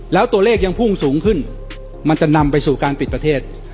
แล้วตัวเลขยังพุ่งสูงขึ้นมันจะนำไปสู่การปิดประเทศ